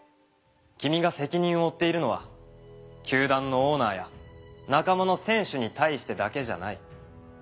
君が責任を負っているのは球団のオーナーや仲間の選手に対してだけじゃない。